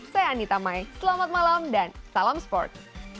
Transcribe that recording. saya anita mai selamat malam dan salam sports